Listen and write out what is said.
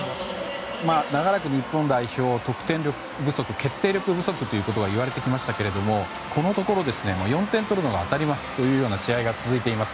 長らく日本代表は得点力不足、決定力不足だといわれてきましたがこのところ、４点取るのが当たり前というような試合が続いています。